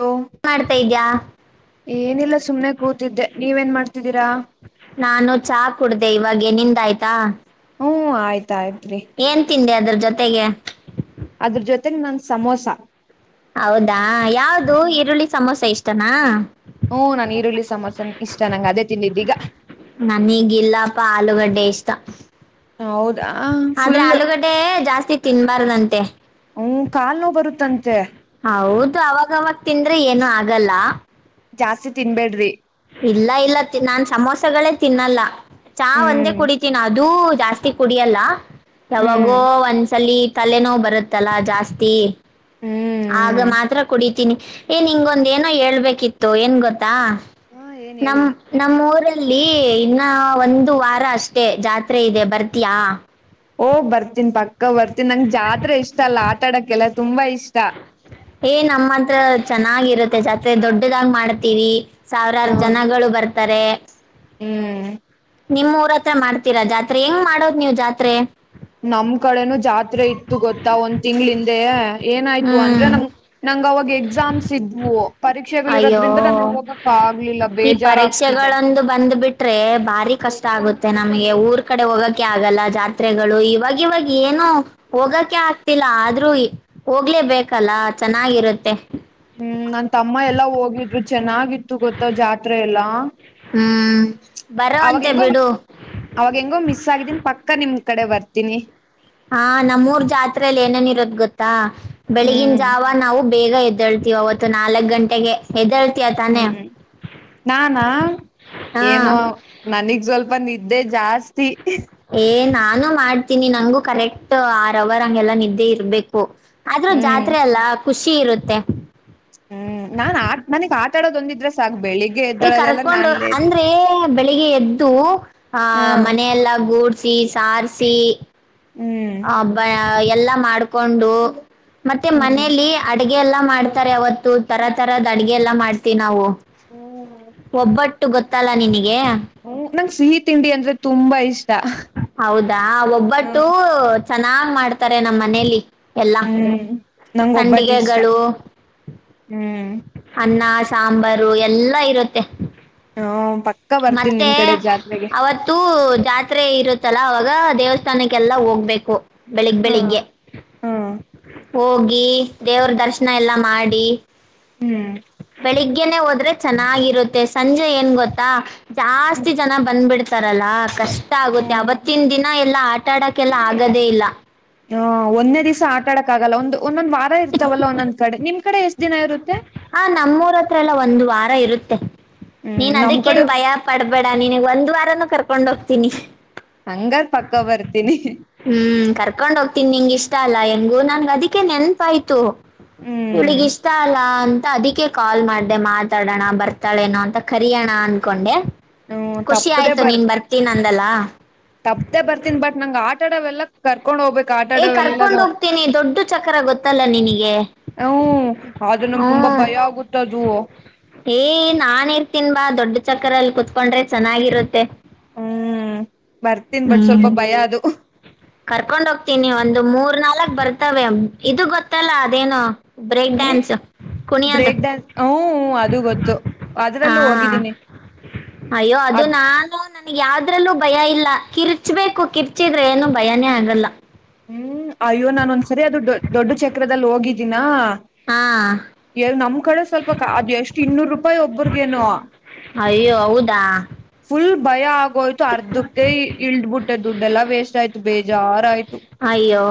ಹೋ ಮಾಡ್ತಾ ಇದ್ಯಾ ಏನಿಲ್ಲ ಸುಮ್ನೆ ಕೂತ್ ಿದ್ದೆ ನೀವೇನ್ ಮಾಡ್ತಿದ್ದೀರಾ ನಾನು ಚಾ ಕುಡ್ದ ಇವಾಗೇನಿಂದ ಆಾಯಯ್ತಾ ಹ್ಮ್ ಆಯ್ತಾಯ್ತ್್ರಿ ಅ್ರ ಜೊತೆಗೆ ಮತ್ತ ನನ್ ಸಮೋಸ ಹೌದಾ ಯಾವ್ದ ಈರುಳ್ಳಿ ಸಮೋಸ ಇಷ್ಟನಾ ಹ್ಮ ನಾನ್ ಈರುಳ್ಳಿ ಸಮೋಸ ಇಷ್ಟ ನಂಗಗೆ ಅದೇ ತಿಂದಿದ್ದೀಗ ನನೀಗಿಲ್ಲಪ್ಪ ಆಲೂಗಡ್ಡೆ ಇಷ್ಟ ಹೌದಾ ಫುಲ್ ಆದ್ರೆ ಆಲೂಗಡ್ಡೆ ಜಾಸ್ತಿ ತಿನ್ಬಾರ್ದಂತೆ ಹ ಕಾಲ್ ನೋ ಬರುತ್ತಂತೆ ಇದು ಅವಾಗವಾಗ ತಿಂದ್ರೆ ಏನು ಆಗಲ್ಲ ಜಾಸ್ತಿ ತಿನ್ಬೇಡ್ರಿ ಇಲ್ಲ ಇಲ್ಲ ನಾನ್ ಸಮೋಸಗಳೇ ತಿನ್ನಲ್ಲ ಚಾ ಒಂದೇ ಹ್ಮ್ ಕುಡಿತೀನಿ ಅ ಅದುೂ ಜಾಸ್ತಿ ಕುಡಿಯಲ್ಲ ಹ್ಮ್ ಯಾವಾಗೋ ಒಂದ್ಸಲಿ ತಲೆನೋ ಬರುತ್ತಲ್ಲಾ ಜಾಸ್ತಿ ಆಗ ಹ್ಮ್ ಮಾತ್ರ ಕುಡಿತೀನಿ ಏನ್ ನಿಂಗೊಂದ ಏನೋ ಹೇಳ್ಬೇಕಿತ್ತು ಏನ್ ಗೊತ್ತಾ ಹಾ ಏನ್ ನಮ್ಮ ಹೇಳಿ ನಮ್ಮ ಊರಲ್ಲಿ ಇನ್ನ ಒಂದು ವಾರ ಅಷ್ಟೇ ಜಾತ್ರೆ ಇದೆ ಬರ್ತಯಾ ಓ್ ಬರ್ತೀನಿ ಪಕ್ಕ ಬರ್ತೀನ್ಿ ನಂ್ ಜಾತ್ರೆ ಇಷ್ಟ ಅಲ್ಲ ಆಟ ಆಡೆಲ್ಲ ತುಂಬಾ ಇಷ್ಟ ಏ ನಮ್ಮತ್ರ ಚೆನ್ನಾಗಿರುತ್ತೆ ಜಾತ್ರೆ ದೊಡ್ಡದಾಗಿ ಮಾಡ್ತೀವಿ ಸಾವಿರಾರು ಹ್ಮ್ ಜನಗಳು ಬರ್ತಾರೆ ಹ್ಮ್ ನಿಮ್ ಊರ ಹತ್ರ ಮಾಡ್ತೀರಾ ಜಾತ್ರೆ ಹೆಂಗ್ ಮಾಡೋದ್ ನೀ್ ಜಾತ್ರೆ ನಮ್ ಕಡೆನೂ ಜಾತ್ರೆ ಇತ್ತು ಗೊತ್ತಾ ಒಂದ್ ತಿಂಗ್ಳ ಹಿಂದೇ ಏನಾಯ್ತು ಹ್ಮ್ ಅಂದ್ರೆ ನಮ ನಂಗ್ ಅವಾಗ ಎಕ್ಸಾಮ್ಸ್ ಇದ್ವು ಪರೀಕ್ಷೆಗಳಿ ಅಯ್ಯೋ ಇರೋದ್ರಿಂದ ನಾನು ಹೋಗಕ್ಕ ಆಗ್ಲಿಲ್ಲ ಬೇಜಾರುಾಗಗ್ತಿದೆೆ ೆ ಬಾರಿ ಕಷ್ಟ ಆಗುತ್ತೆ ನಮಗೆ ಊರ್ ಕಡೆ ಹೋಗಕ ಆಗಲ್ಲ ಜಾತ್ರೆಗಳು ಇವಾಗ ಇವಾಗ ಏನು ಹೋಗಕ ಆಗ್ತಿಲ್ಲ ಆದ್ರೂ ಹೋಗ್ಲೇಬೇಕಲ್ಲ ಚೆನ್ನಾಗಿರುತ್ತೆ ಹ್ಮ್ ನನ್ ತಮ್ಮ ಎಲ್ಲಾ ಹೋಗಿದ್ರು ಚೆನ್ನಾಗಿತ್ತು ಗೊತ್ತ ಜಾತ್ರೆ ಎಲ್ಲಾ ಹ್ಮ್ ಬರೋ ಅವಾಗ ಅಂತೆ ಹೆಂಗೋ ಬಿಡು ಅವಾಗ ಹೆಂಗೋ ಮಿಸ್ ಆಗಿದ್ದೀನ್ ಪಕ್ಕ ನಿಮ ಕಡೆ ಬರ್ತೀನಿ ಹಾ ನಮ್ಮ್ೂರ್ ಜಾತ್ರೆಯಲ್ಲಿ ಏನೇನ್ ಇರೋದ್ ಗೊತ್ತಾ ಬೆಳಗನ್ ಹ್ಮ್ ಜಾವ ನಾವು ಬೇಗ ಎದ್ದಳ್ತೀವಿ ಅವತ್ತು ನಾಲ್ಕಕ್ ಗಂಟೆಗೆ ಎದ್ದೇಳ್ತೀಯ ತಾನೇ ಹ್ಮ್ ನಾನಾ ಹಾ ಏನೋ ನನಗ್ ಸ್ವಲ್ಪ ನಿ ್ದೇ ಜಾಸ್ತಿ ಏ ನಾನು ಮಾಡ್ತೀನಿ ನಂಗಂಗು ಕರೆಕ್ಟ್ ಆರ್ ಅವರ್ ಹಂಗೆಲ್ಲ ನಿದ್ದೆ ಇರ್ಬೇಕು ಆದ ಹ್ಮ್ ಜಾತ್ರೆ ಅಲ್ಲಾ ಖುಷಿ ಇರುತ್ತೆ ಹ್ಮ್ ನಾನ್ ಆ ಮನಗ್ ಆಟಾಡೋದ ಒಂದಿದ್ರ ಕರ್ಕೊಂಡು ಅಂದ್ರೆ ಬೆಳಿಗ್ಗೆ ಎದ್ದು ಆಹ ಹ್ಮ ಮನೆಯಲ್ಲ ಗೂಡ್ ಗುಡಿಸಿ ಸಾರ್ಸಿ ಹ್ಮ್ ಆ ಬ ಎಲ್ಲ ಮಾಡ್ಕೊಂಡು ಮತ್ತೆ ಹ್ಮ್ ಮನೆಲಿ ಅಡುಗೆ ಗೆ ಎಲ್ಲ ಮಾಡ್ತಾರೆ ಅವತ್ತು ತರ ತರದ ಅಡಗೆ ಎಲ್ಲಾ ಮಾಡ್ತಿವಿ ನಾವು ಹ್ಮ್ ಒಬ್ಬಟ್ ಟ್ಟು ಗೊತ್ತಲ್ಲ ನಿನಿಗೆ ಹ್ಮ ನಂಗ್ ಸಿಹಿ ತಿಂಡಿ ಅಂದ್ರೆ ತುಂಬಾ ಇಷ್ಟ ಹೌದಾ ಒಬ್ಬಟ್ಟು ಚೆನ್ನಾಗ್ ಮಾಡ್ತಾರೆ ನಮ್ಮ ಮನೇಲಿ ಎಲ್ಲಾ ಹ್ಮ್ ನಂಗ್ ಒಬ್ಬಟ್ಟು ಇಷ್ಟ ಸಂಡಿಗೆಗಳು ಹ್ಮ್ ಅನ್ನ ಸಾಂಬಾರು ಎಲ್ಲಾ ಇರುತ್ತೆ ಹ್ಮ್ ಮತ್ತೆ ಅವತ್ತುೂ ಜಾತ್ರೆ ಇರುತ್ತಲ್ಲ ಅವಾಗ ದೇವಸ್ಥಾನಕ್ಕೆಲ್ಲಾ ಹೋಗ್ಬೇಕು ಬೆಳಿಗ್ ಹ ಬೆಳಿಗ್ಗೆ ಹ ಹ್ಮ್ ಹೋಗಿ ದೇವ್ರ ದರ್ಶನ ಎಲ್ಲಾ ಮಾಡಿ ಹ್ಮ್ ಬೆಳಿಗ್ಗೆನೆೇ ಹೋದ್ರೆ ಚೆನ್ನಾಗಿರುತ್ತೆ ಸಂಜೆ ಏನ್ ಗೊತ್ತಾ ಜಾಸ್ತಿ ಜನ ಬಂದ್ಬಿಡ್ತ ತರಲ್ಲಾ ಕಷ್ಟ ಆಗುತ್ತೆ ಅವತ್ತಿನ್ ದಿನ ಎಲ್ಲಾ ಆಟಾ ಆಡಕ್ಕೆೆಲ್ಲ ಆಗದೇ ಇಲ್ಲ ಹ ಒಂದೇ ದಿವಸ ಆಟಾಡಕ್ ಆಗಲ್ಲ ಒಂದ್ ಒಂದೊಂದ್ ವಾರ ಇರ್ತವಲ್ಲ ಒಂದೊಂದ ಕಡೆ ನಿಮ್ ಕಡೆ ಎಷ್ಟ್ ದಿನ ಇರುತ್ತೆ ಹ ನಮ್ಮೂರ್ ಹತ್ರ ಎಲ್ಲ ಒಂದ್ ದ್ ವಾರ ಇರುತ್ತೆ ಹ್ಮ್ ನೀನ್ ನಮ್ ಕಡೆ ಅದಕ್ಕೇನ್ ಭಯ ಪಡ್ಬೇಡ ನಿನಿಗ್ ಒಂದ ವಾರ ರನು ಕರ್ಕೊಂಡ್ ಹೋಗ್ತೀನಿ ಹಂಗಾರ್ ಪಕ್ಕ ಬರ್ತೀನಿ ಹ್ಮ್ ಕರ್ಕೊಂಡ್ ಹೋಗ್ತೀನಿ ನಿಂಗ ಇಷ್ಟ ಅಲ್ಲ ಹೆಂಗು ನನಿಗ್ ಅದಿಕ್ಕೆ ನೆನ್ಪಾಯ್ತು ಹ್ಮ್ ಇವ್ಳಿಗ್ ಇಷ್ಟ ಅಲ್ಲ ಅಂತ ತ ಅದಿಕ್ಕೆ ಕಾಲ್ ಮಾಡ್ದೆ ಮಾತಾಡೋಣ ಬರ್ತಾಳೇನೋ ಅಂತ ಕರಿಯೋಣ ಅನ್ಕೊಂಡೆ ಹ್ಮ ಖುಷಿ ತಪ್ಪದೆೇ ಆಯ್ತು ನೀನ್ ಬರ್ತಿ ಬರ್ತೀನಂದಲ್ಲ ತಪ್ಪ್ದೇ ಬರ್ತೀನಿ ಬಟ್ ನಂಗ ಆಟ ಆಡ್ ಡವೆಲ್ಲ ಕರ್ಕೊ ಕರ್ಕೊಂಡ್ ಹೋಗ್ಬೇಕ ಏ ಕರ್ಕೊಂಡ್ ಆಟಾಡವೆಲ್ಲನು ಹೋಗ್ತೀನಿ ದೊಡ್ಡ ಚಕ್ರ ಗೊತ್ತಲ್ಲ ನಿನಗೆ -ಹ್ಮ್ ಆದ್ರೆ ನಂಗ್ ತುಂಬಾ ಹ್ಮ್ ಭಯ ಆಗುತ್ತೆ ಅದು ಏ ನಾನ್ ಇರ್ತೀನ್ ಬಾ ದೊಡ್ಡ ಚಕ್ರಲ್ಲಿ ಕುೂತ್ಕೊಂಡ್ರೆ ಚೆನ್ನಾಗಿರುತ್ತೆ ಬರ್ತಿನ್ ಬಟ್ ಸ್ವಲ್ಪ ಹ್ಮ್ ಭಯ ಅದು ಕರ್ಕೊಂಡ್ ಹೋಗ್ತೀನಿ ಒಂದು ಮೂರ್ ನಾಲ್ಕ್ ಬರ್ತವೆ ಇದು ಗೊತ್ತಲ್ಲ ಅದೇನು ಬ್ರೇಕ್ ಡ್ಯಾನ್ಸ್ ಕುಣಿಯೋದು ಬ್ರೇಕ್ಡಾನ್ಸ್ ಹ್ಮ್ ಅದು ಗೊತ್ತು ಅದ್ರಲ್ಲೂ ಹಾ ಹೋಗಿದ್ದೀನಿ ಅಯ್ಯೋ ಅದು ಅದ್ ನಾನು ನನಿಗೆ ಯದ್ರಲ್ಲೂ ಭಯ ಇಲ್ಲ ಕಿರ್ಚಬೇಕು ಕಿರ್ಚಿದ್ರೆ ಏನು ಭಯನೇ ಆಗಲ್ಲ ಹ್ಮ್ ಅಯ್ಯೋ ನಾನೊಂದ್ಸರಿ ಅದು ದೊಡ್ಡ ಚಕ್ರದಲ್ಲಿ ಹೋಗಿದ್ದೀಿನಾ ಹಾ ಎ ನಮ್ ಕಡೆ ಸ್ವಲ್ಪ ಅದು ಎಷ್ಟು ಇನ್ನೂರು ರೂಪಾಯಿ ಒಬ್ರಿಗೇನೋ ಅಯ್ಯೋ ಹೌದಾ ಭಯ ಆಗೋಯ್ತು ಅರ್ಧಕ್ಕೆ ಇಲ್ಡ್ಬಿಟ್ಟೆ ದುಡ್ಡೆಲ್ಲಾ ವೇಸ್ಟ್ ಆಯ್ತು ಬೇಜಾರಾಯ್ತು ಅಯ್ಯೋ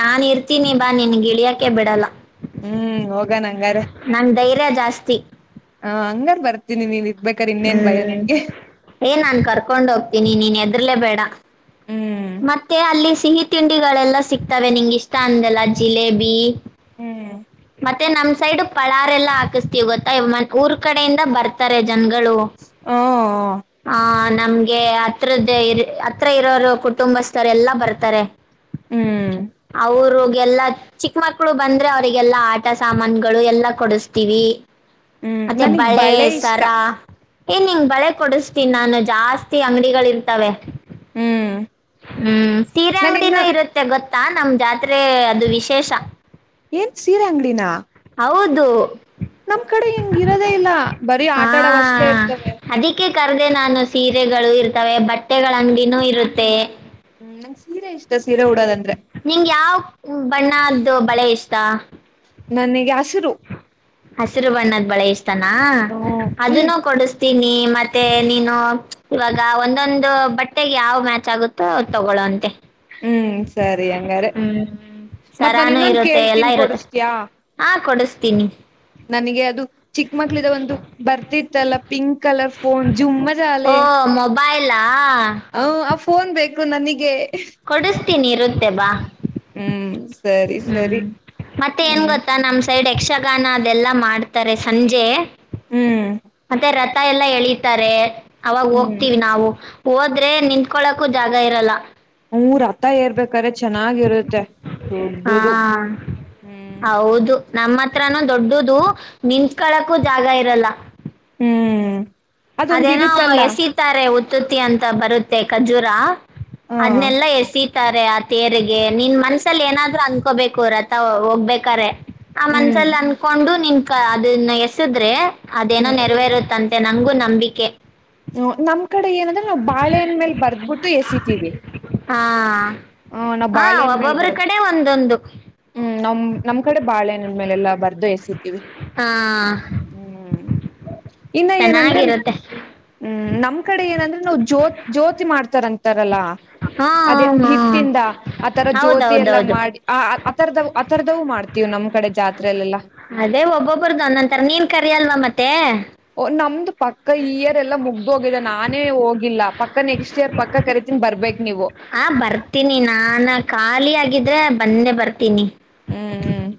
ನಾನ್ ಇರ್ತೀನಿ ಬಾ ನಿನಿಗ್ ಇಳಿಯಕಕ್ಕೆ ಬಿಡಲ್ಲ ಹ್ಮ್ ಹೋಗಣ ಹಂಗಾರೆ ನಂಗ್ ಧೈರ್ಯ ಜಾಸ್ತಿ ಹ ಹಂಗಾರ ಬರ್ತೀನಿ ನೀನ್ ಇರ್ ಹ್ಮ್ ಏ ನಾನ್ ಕರ್ಕೊಂಡ್ ಹೋಗ್ತೀನಿ ನೀನ್ ಎದ್ರಲೆೇ ಬೇಡ ಹ್ಮ್ ಮತ್ತೆ ಅಲ್ಲಿ ಸಿಹಿ ತಿಂಡಿಗಳೆಲ್ಲ ಸಿಕ್ತವೆ ನಿಂಗ್ ಇಷ್ಟ ಅಂದಲ್ಲ ಜಿಲೇಬಿ ಹ್ಮ್ ಮತ್ತೆ ನಮ್ ಸೈಡ್ ಪಳಾರ್ ಎಲ್ಲಾ ಹಾಕುಸ್ತಿವಿ ಗೊತ್ತಾ ಊರ್ ಕಡೆಯಿಂದ ಬರ್ತಾರೆ ಹು ಹ್ಮ್ ಹ ನಮ್ಗೆ ಹತ್ರದ್ದೆ ಹತ್ರ ಇರೋರು ಕುಟುಂಬಸ್ಥರೆಲ್ಲ ಬರ್ತಾರೆ ಹ [inaudible] ಹ್ಮ್ ಅವ್ರಗೆಲ್ಲಾ ಚಿಕ್ಕ ಮಕ್ಳು ಬಂದ್ರೆ ಅವ್ರರಿಗೆಲ್ಲಾ ಆಟ ಸಾಮಾನ್ಗಳು ಎಲ್ಲಾ ಕೊಡಸ್ತೀವಿ ಹ್ಮ್ ಮತ್ತೆ ನನಗ್ ಬಳೆ ಇಷ್ಟ ಸರಾ ಏನಿಂಗ ಬಳೆ ಕೊಡಿಸ ತ್ತಿನ ನಾನು ಜಾಸ್ತಿ ಅಂಗಡಿಗಳ ಇರ್ತವೆ ಹ್ಮ್ ಹ್ಮ್ ಸೀರೆ ನಾನಿನ್ನ ಅಂಗಡಿನೂ ಇರುತ್ತೆ ಗೊತ್ತಾ ನಮ್ ಜಾತ್ರೆ ಅದು ವಿಶೇಷ ಏನ್ ಸೀರೆ ಅಂಗಡಿನ ಹೌದು ನಮ್ ಕಡೆ ಹಿಂಗ ಇರದೇ ಇಲ್ಲ ಬರೀ ಆಟಾಡವಷ್ಟೇ ಇರ್ತವೆ ಕರ್ದೆ ನಾನು ಸೀರೆಗಳು ಇರ್ತವೆ ಬಟ್ಟೆಗಳ ಅಂಗಡಿನೂ ಇರುತ್ತೆ ಹ್ಮ್ ಸೀರೆ ಇಷ್ಟ ಸೀರೆ ಉಡೋದಂದ್ರೆ ನಿಂಗ ಯಾವ ಬಣ್ಣದ್ದು ಬಳೆ ಇಷ್ಟ ನನಗೆ ಹಸಿರು ಹಸಿರು ಬಣ್ಣದ ಬಳೆ ಇಷ್ಟನಾ ಹ್ಮ್ ಫುಲ್ ಅದನ್ನ ಕೊಡಸತೀನಿ ಮತ್ತೆ ನೀನು ಇವಾಗ ಒಂದೊಂದು ಬಟ್ಟೆಗೆ ಯಾವ ಮ್ಯಾಚ್ ಆಗುತ್ತೋ ಅದು ತಗೊಳ್ಳುವಂತೆ ಹ್ಮ್ ಸರಿ ಅಂಗಾರೆ ಮತ್ತ್ ನಾನ ಸರಾನೂ ಇನ್ನೊಂದು ಇರುತ್ತೆ ಎಲ್ಲ ಕೇಳ್ತೀನ್ ಇರುತ್ತೆ ಕೊಡಸ್ತಿಯಾ ಹಾಂ ಕೊಡಿಸ್ತೀನಿ ನನಗೆ ಅದು ಚಿಕ್ಕಮಕ್ಳದ ಒಂದು ಬರ್ತಿತ್ತಲ್ಲ ಪಿಂಕ್ ಕಲರ್ ಫೋನ್ ಓ ಜುಮ್ಮಜಾಲೆ ಮೊಬೈಲಾ ಹ್ಮ್ ಆ ಫೋನ್ ಬೇಕು ನನಗೆ ಕೊಡಿಸ್ತೀನಿ ಇರುತ್ತೆ ಬಾ ಹ್ಮ್ ಸರಿ ಸರಿ ಹ್ಮ್ ಮತ್ತೆ ಏನ್ ಹ್ಮ್ ಗೊತ್ತಾ ನಮ್ ಸೈಡ್ ಯಕ್ಷಗಾನ ಅದೆಲ್ಲ ಮಾಡ್ತಾರೆ ಸಂಜೆ ಹ್ಮ್ ಮತ್ತೆ ರ ತ ಎಲ್ಲಾ ಎಳೀತಾರೆ ಅವಾಗ ಹ್ಮ್ ಹೋಗ್ತಿವಿ ನಾವು ಹೋದ್ರೆ ನಿಂತಕೊಳಕು ಜಾಗ ಇರಲ್ಲ ಹ್ಮ್ ರತ್ತ ಏರ್ಬೇಕ್ರಾ ಚೆನ್ನಾಗಿರುತ್ತೆ ಹಾ ದೊಡ್ಡದು ಹೌದು ನಮ್ಮ ಹತ್ರಾನ ದೊಡ್ಡದು ನಿಂತ್ಕಳಕ್ಕೂ ಜಾಗ ಇರಲ್ಲ ಹ್ಮ್ ಅದೊಂದ ಅದೇನೋ ಇರುತ್ತಲ್ಲ ಎಸಿತಾರೆ ತುತಿ ಅಂತ ಬರುತ್ತೆ ಖಜೂರ ಹ ಅದನ್ನೆಲ್ಲಾ ಎಸ ಇತಾರೆ ಆ ತೇರಿಗೆ ನಿನ್ ಮನ್ಸಲ್ಲಿ ಏನಾದ್ರು ಅನ್ಕೋಬೇಕು ರತ ಹೋಗ್ಬೇಕಾರೆ ಆ ಹ್ಮ್ ಮನ್ಸಲ್ ಅನ್ಕೊಂಡು ನಿನ್ ಕ ಅದನ್ನ ಎಸಿದ್ರೆ ಅದೇನೋ ನೆರವೇರುತ್ತಂತ ನಂಗು ನಂಬಿಕೆ ಹ್ಮ್ ನಮ್ ಕಡೆ ಏನಂದ್ರೆ ನಾವು ಬಾಳೆನ್ ಮೇಲೆ ಬರ್ದ್ಬಿಟ್ಟು ಎಸಿತೀವಿ ಹಾ ಆ ನಾವ್ ಹ ಬಾಳೆಹಣ್ ಮೇಲ್ ಒಬ್ಬೊಬ್ಬ್ರ ಬರ ಕಡೆ ಒಂದೊಂದು ಹ್ಮ್ ನಮ್ ನಮ್ ಕಡೆ ಬಾಳೆಹಣ್ಣನನ್ ಮೇಲೆಲ್ಲಾ ಬರ್ದು ಎಸಿತಿವಿ ಹಾಂ ಹ್ಮ್ ಇನ್ನ ಏನಂದ್ರೆ ಚೆನ್ನಾಗಿರುತ್ತೆ ಹ್ಮ್ ನಮ್ ಕಡೆ ಏನಂದ್ರೆ ನಾವ ಜ್ಯೋ ಜ್ಯೋತಿ ಮಾಡ್ತಾರಂತಾರಲ್ಲಾ ಹಾ ಹ ಹ್ಮ್ ಆ ತರ ಜ್ಯೋತಿ ಎಲ್ಲಾ ಮಾಡಿ ಆ ಆರದ ಆ ತರದವು ಮಾಡ್ತೀವ ನಮ್ ಕಡೆ ಜಾತಿ ಅದೇ ಒಬ್ಬೊಬ್ಬರ್ದು ಒಂದಂದತರ ನೀನ್ ಕರಿ ಅಲ್ವಾ ಮತ್ತೆ ಓ ನಮ್ದು ಪಕ್ಕ ಇಯರ್ ಎಲ್ಲಾ ಮುಗ್ದು ಹೋಗಿದೆ ನಾನೇ ಹೋಗಿಲ್ಲ ಪಕ್ಕ ನೆಕ್ಸ್ಟ್ ಇಯರ್ ಪಕ್ಕ ಕರಿತ ಬರ್ಬೇಕ್ ನೀವು ಆ ಬರ್ತೀನಿ ನಾನ ಖಾಲಿ ಆಗಿದ್ರ ಬಂದೆ ಬರ್ತೀನಿ. ಹ್ಮ್ ಹ್ಮ್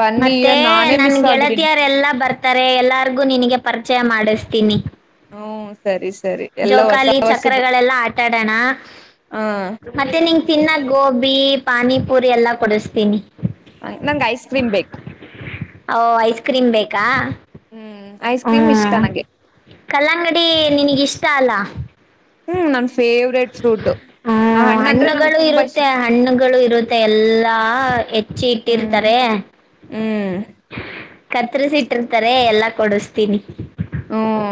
ಬನ್ನಿ ಮತ್ತೆ ಇಯರ್ ನಾನೇ ನನ್ ಮಿಸ್ ಆಗಿದ್ದೀನಿ ಗೆಳತಿಯರೆಲ್ಲಾ ಬರ್ತಾರೆ ಎಲ್ಲಾರ್ಗು ನಿನಗೆ ಪರಿಚಯ ಮಾಡಿಸ್ತೀನಿ ಹ್ಮ ಸರಿ ಸರಿ ಎಲ್ಲ ಹೊಸ ಜೋಕಾಲಿ ಹೊಸ ಚಕ್ರಗಳೆಲ್ಲ ಆಟಾಡೋಣ ಹ ಮತ್ತೆ ನಿಂಗ ತಿನ್ನಕ ಗೋಬಿ ಪಾನಿಪುರಿ ಎಲ್ಲ ಕೊಡಸ್ತೀನಿ ಹ ನಂಗೆ ಐಸ್ ಕ್ರೀಮ್ ಬೇಕು ಓ ಐಸ್ ಕ್ರೀಮ್ ಬೇಕಾ ಹ್ಮ್ ಐಸ್ ಕ್ರೀಮ್ ಹ್ಮ ಇಷ್ಟ ನಂಗೆ ಕಲ್ಲಂಗಡಿ ನಿನಗಿಷ್ಟ ಅಲ್ಲ. ಹ್ಮ ನಮ ಫೇವರೇಟ್ ಫ್ರೂಟ್. ಹ್ಮ ಅಂದ್ರೆ ನಂಗೆ ಹಣ್ಣುಗಳು ತುಂಬಾ ಇಷ್ಟ ಇರುತ್ತೆ ಹಣ್ಣಗಳು ಇರುತ್ತೆ ಎಲ್ಲಾ ಹೆಚ್ಚಿ ಇಟ್ಟಿರ್ತಾರೆ. ಹ್ಮ. ಕತ್ತರ್ಸಿ ಇಟ್ಟಿರ್ತಾರೆ ಎಲ್ಲಾ ಕೊಡಸತೀನಿ. ಹ್ಮ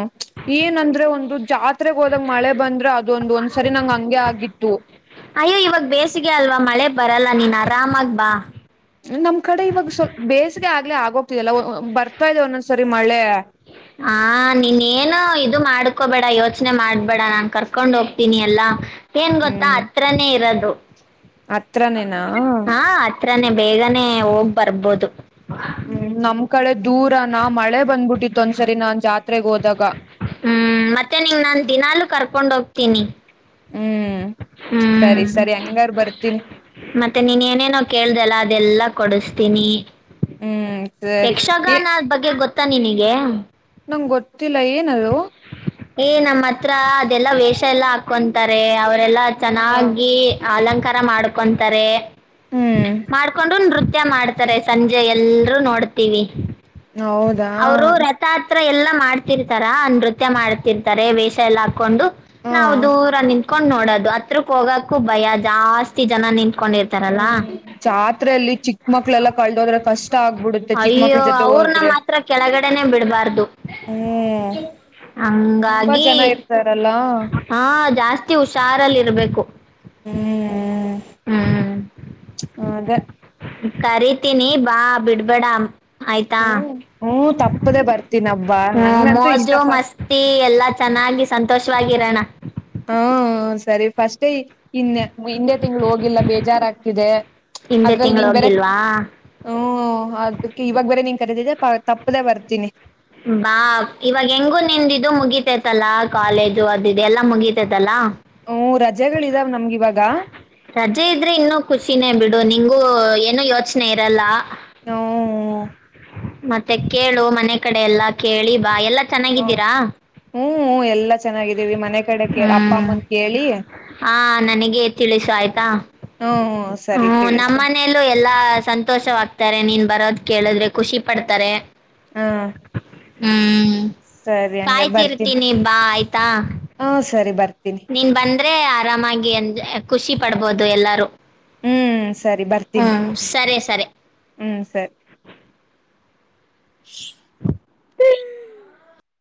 ಏನಂದ್ರೆ ಒಂದು ಜಾತ್ರೆಗ ಹೋದಾಗ ಮಳೆ ಬಂದ್ರೆ ಅದೊಂದ ಒಂದ್ಸರಿ ನಂಗ ಹಂಗೆ ಆಗಿತ್ತು. ಅಯ್ಯೋ ಇವಾಗ ಬೇಸಿಗೆ ಅಲ್ವಾ ಮಳೆ ಬರಲ್ಲ ನೀನ ಆರಾಮಾಗ ಬಾ. ನಮ ಕಡೆ ಇವಾಗ ಸ್ವಲ ಬೇಸಿಗೆ ಆಗ್ಲೇ ಆಗೋಗ್ತಿದಲ್ಲ ಬರ್ತಾ ಇದೆ ಒಂದೊಂದ್ಸರಿ ಮಳೆ ಆ ನೀನ ಎನು ಇದು ಮಾಡ್ಕೊಬೇಡ ಯೋಚನೆ ಮಾಡ್ಬೇಡ ನಾನ ಕರ್ಕೊಂಡ ಹೋಗ್ತೀನಿ ಎಲ್ಲಾ ಏನ್ ಗೊತ್ತಾ ಹತ್ರನೇ ಇರೋದು. ಅತ್ರನೇನಾ ತ್ರನೇ ಬೇಗನೆ ಹೋಗ ಬರ್ಬೋದು. ಹ್ಮ ನಮ್ ಕಡೆ ದೂರ ನಾ ಮಳೆ ಬಂದ್ಬಿಟ್ಟಿತ್ತು ಒಂದ್ಸರಿ ನಾನ್ ಜಾತ್ ಹ್ಮ ಮತ್ತೆ ನಿಂಗ ನಾನ ದಿನಲು ಕರ್ಕೊಂಡ ಹೋಗ್ತೀನಿ. ಹ್ಮ. ಹ್ಮ ಮತ್ತೆ ನೀನ ಏನೇನೋ ಕೇಳ್ದಲ್ಲ ಅದೆಲ್ಲಾ ಕೊಡಸಸ್ತೀನಿ. ಹ್ಮ. ಯಕ್ಷಗಾನ ಬಗ್ಗೆ ಗೊತ್ತ ನಿನಗೆ ನಂಗ ಗೊತ್ತಿಲ್ಲ ಏನದು. ಏ ನಮ್ಮ ಹತ್ರ ಅದೆಲ್ಲಾ ವೇಷ ಎಲ್ಲಾ ಹಾಕೊಂತಾರೆ ಅವ ರೇಲ್ಲ ಚೆನ್ನಾಗಿ ಅಲಂಕಾರ ಮಾಡ್ಕೊಂತಾರೆ ಹ್ಮ್ ಮಾಡ್ಕೊಂಡು ನೃತ್ಯ ಮುೃತ್ಯ ಮಾಡ್ತಾರೆ ಸಂಜೆ ಎಲ್ರೂ ನೋಡ್ತೀವಿ. ಹೌದಾ. ತ್ರ ಎಲ್ಲಾ ಮಾಡ್ತರ್ತಾರ ನೃತ್ಯ ಮಾಡ್ತರ್ತಾರೆ ವೇಷ ಎಲ್ಲ ಹಾಕೊಂಡು ಹಾ ನಾವು ದೂರ ನಿಂತ ಕೊಂಡ್ ನೋಡೋದು ಹತ್ರಕ್ಕ ಹೋಗಕ್ಕೂ ಭಯ ಜಾಸ್ತಿ ಜನ ನಿನ್ ಹ್ಮ ಜಾತ್ರೆಲ್ಲಿ ಚಿಕ್ಕ ಮಕ್ಳೆಲ್ಲ ಎಲ್ಲ ಕಳ್ದೋದ್ರೆ ಕಷ್ಟ ಆಗ್ಬಿಡುತ್ತೆ ಚಿಕ್ಕ ಮಕ್ಳ ಜೊತೆ ಪೂರ್ನ ಮಾತ್ರ ಕೆಳಗಡನೆೇ ಬಿಡ್ಬಾರ್ದು. ಹ್ಮ. ಹಂಗಾಗಿ ಇರ್ತಾರಲ್ಲ ಹ ಜಾಸ್ತಿ ಕಿ ಹುಷಾರಲ್ಲಿ ಇರ್ಬೇಕು. ಹ್ಮ ಹ್ಮ. ಹ್ಮ. ಅದ ಕರಿತೀನಿ ಬಾ ಬಿಡ್ಬೇಡ. ಆಯ್ತಾ ಹ್ಮ ಹ್ಮ ತಪ್ಪದೆೇ ಬರ್ತೀನ ಪ ಹ್ಮ ಮೋಜು ಮಸ್ತಿ ಎಲ್ಲಾ ಚೆನ್ನಾಗಿ ಸಂತೋಷವಾಗಿರಣ. ಹ್ನ ಸರಿ ಫಸ್ಟೇ ಇನ್ನ ಹಿಂದೆ ತಿಂಗಳು ಹೋಗಿಲ್ಲ ಬೇಜಾರಾಗ್ತಿದೆ. ಹಿಂದೆ ಅದ್ರಲ್ಲಿ ತಿಂಗಳು ನೀನ ಬೇರೆ ಹೋಗಿಲ್ವಾ ಹ್ಮ. ಅದಕ್ಕೆ ಇವಾಗ ಬೇರ ನೀನ ಕರೀತಿದ್ದ ತಪ್ಪದೆೇ ಬರ್ತೀನಿ. ಬಾ ಇವಾಗ ಹೆಂಗು ನಿಂದದು ಮುಗಿತೈತಲ್ಲಾ ಕಾಲೇಜು ಅದ ದೆ ಎಲ್ಲ ಮುಗತೈತಲ್ಲ. ಹ್ಮ್ ರಜೆಗಳ ಇದಾವ್ ನಮ್ಗ ಇವಾಗ ರಜೆ ಇದ್ರೆ ಇನ್ನೂ ಖುಷಿನೇ ಬಿಡ. ಡು ನಿಂಗೂ ಏನು ಯೋಚನೆ ಇರಲ್ಲ. ಹ್ನು ಮತ್ತೆ ಕೇಳು ಮನೆ ಕಡೆ ಎಲ್ಲಾ ಕೇಳಿ ಬಾ ಎಲ್ಲಾ ಚೆನ್ನಾಗಿದ್ದೀರಾ. ಹ್ಮ ಹು ಎಲ್ಲಾ ಚೆನ್ನಾಗಿದ್ದೀವಿ ಮನೆ ಕಡೆ ಅಪ್ಪ ಹ್ಮ್ ಅಮ್ಮನ ಕೇಳಿ ಹಾ ನನಗೆ ತಿಳಿಸಾಯ್ತಾ ಹ್ಮ್ ಸರಿ ಹ್ಮೂ ತಿಳಿಸ್ತೀನಿ ನಮ್ಮನೆಲು ಎಲ್ಲಾ ಸಂತೋಷವಾಗ್ತಾರೆ ನಿ ನೀನ್ ಬರೋದ್ ಕೇಳಿದ್ರೆ ಖುಷಿ ಪಡ್ತಾರೆ ಹ್ಮ್ ಹ್ಮ್ ಬರ್ತೀನಿ ಕಾಯ್ತಿರ್ತೀನಿ ಬಾ ಆಯ್ತಾ ಹ್ಮ ಸರಿ ಬರ್ತೀನಿ ನೀನ್ ಬಂದ್ರೆ ಆರಾಮಾಗಿ ಎಂದ್ ಖುಷಿ ಪಡ್ಬೋದು ಎಲ್ಲಾರು ಹ್ಮ್ ಹ್ಮ್ ಸರೆ ಸರೆ ಹ್ಮು ಸರ್ [inaudible]